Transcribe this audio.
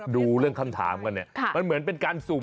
ดูเรื่องคำถามกันเนี่ยมันเหมือนเป็นการสุ่ม